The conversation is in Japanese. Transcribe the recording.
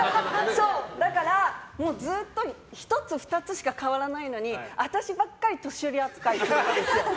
そう、だからずっと１つ、２つしか変わらないのに私ばっかり年寄り扱いして。